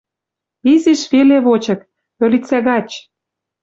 Изиш веле вочык, ӧлицӓ гач